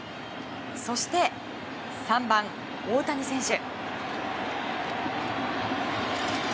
そして３番、大谷選手。